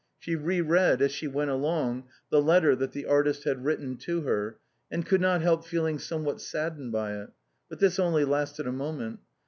She re read, as she went along, the letter that the artist had written to her, and could not help feeling somewhat saddened by it. But this only lasted a moment.